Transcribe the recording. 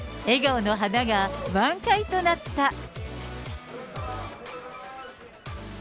笑顔の花が満開となった。